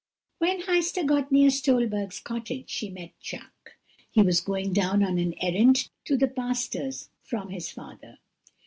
"When Heister got near Stolberg's cottage she met Jacques. He was going down on an errand to the pastor's from his father.